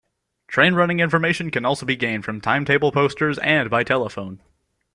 Train running information can also be gained from timetable posters and by telephone.